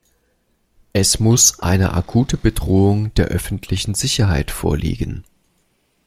Es muss eine akute Bedrohung der öffentlichen Sicherheit vorliegen.